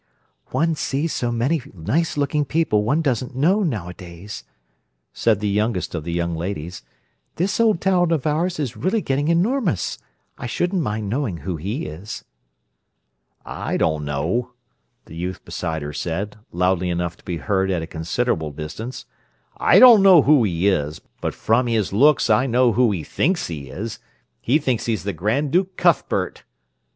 "One sees so many nice looking people one doesn't know nowadays," said the youngest of the young ladies. "This old town of ours is really getting enormous. I shouldn't mind knowing who he is." "I don't know," the youth beside her said, loudly enough to be heard at a considerable distance. "I don't know who he is, but from his looks I know who he thinks he is: he thinks he's the Grand Duke Cuthbert!"